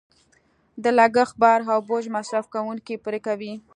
د لګښت بار او بوج مصرف کوونکې پرې کوي.